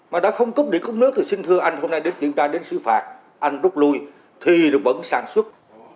mà đã không cúp điện cúp nước thì xin thưa anh hôm nay đến kiểm tra đến sử phạt anh rút lui thì vẫn sản xuất